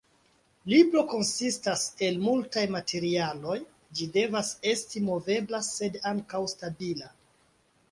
Libro konsistas el multaj materialoj, ĝi devas esti movebla sed ankaŭ stabila.